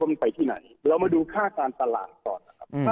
มันไปที่ไหนเรามาดูค่าการตลาดก่อนนะครับ